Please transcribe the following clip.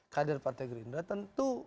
kader partai gerindra tentu